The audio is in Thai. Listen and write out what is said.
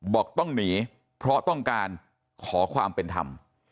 บอกต้องหนีเพราะต้องการขอความเป็นธรรม